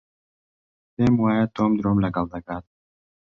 پێم وایە تۆم درۆم لەگەڵ دەکات.